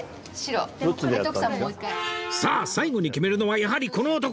さあ最後に決めるのはやはりこの男